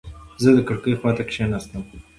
زه د کړکۍ خواته کېناستم.